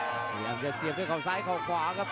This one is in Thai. ยอดแสนเชิงจะเสียบด้วยเขาซ้ายเขาขวาครับ